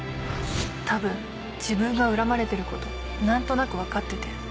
多分自分が恨まれてること何となく分かってて。